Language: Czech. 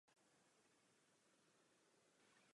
Ulf Ekman se v mládí hlásil ke krajně levicovým myšlenkám.